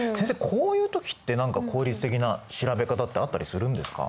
こういう時って何か効率的な調べ方ってあったりするんですか？